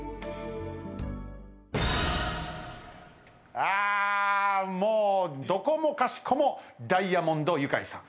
あもうどこもかしこもダイアモンドユカイさん。